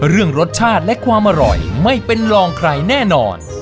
เรื่องรสชาติและความอร่อยไม่เป็นรองใครแน่นอน